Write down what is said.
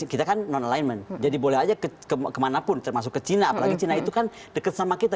kita kan non alignment jadi boleh aja ke kemana pun termasuk ke cina cina itu kan deket sama kita